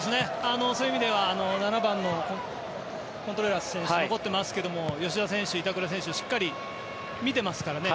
そういう意味では７番のコントレラス選手が残ってますけど吉田選手、板倉選手しっかり見てますからね。